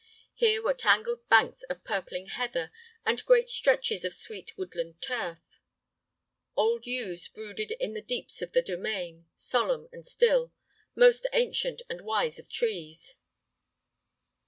Here were tangled banks of purpling heather, and great stretches of sweet woodland turf. Old yews brooded in the deeps of the domain, solemn and still, most ancient and wise of trees.